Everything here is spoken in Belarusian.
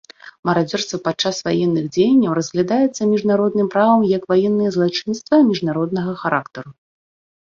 Марадзёрства падчас ваенных дзеянняў разглядаецца міжнародным правам як ваеннае злачынства міжнароднага характару.